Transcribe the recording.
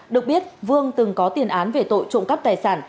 được biết vương từng có tiền án về tội trộm cắp tài sản